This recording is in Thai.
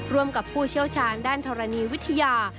ร่วมกับผู้เชี่ยวชาญด้านธรณีวิทยา